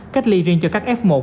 cách ly riêng cho các f một